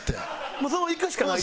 もうそのままいくしかないと？